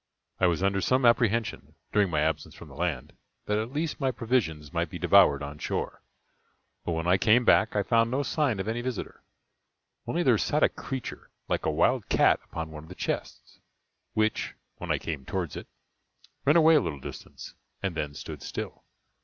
I was under some apprehension, during my absence from the land, that at least my provisions might be devoured on shore: but when I came back I found no sign of any visitor; only there sat a creature like a wild cat upon one of the chests, which, when I came towards it, ran away a little distance, and then stood still.